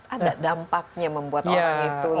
ada dampaknya membuat orang itu